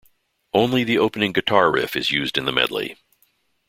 Only the opening guitar riff is used in the medley.